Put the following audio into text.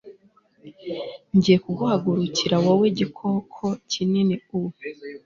ngiye kuguhagurukira wowe gikoko kinini u